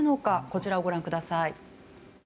こちらをご覧ください。